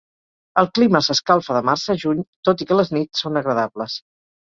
El clima s'escalfa de març a juny, tot i que les nits són agradables.